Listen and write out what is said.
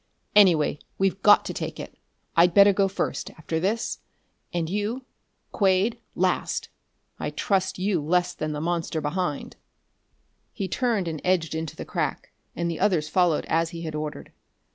Anyway, we've got to take it. I'd better go first, after this and you, Quade, last. I trust you less than the monster behind." He turned and edged into the crack, and the others followed as he had ordered.